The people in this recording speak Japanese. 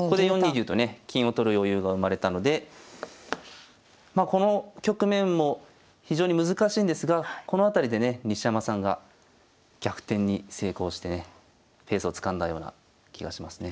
ここで４二竜とね金を取る余裕が生まれたのでまあこの局面も非常に難しいんですがこの辺りでね西山さんが逆転に成功してねペースをつかんだような気がしますね。